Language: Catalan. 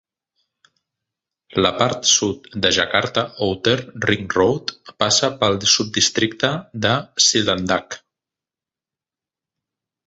La part sud del Jakarta Outer Ring Road passa pel subdistricte de Cilandak.